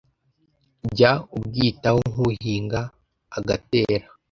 jya ubwitaho nk'uhinga agatera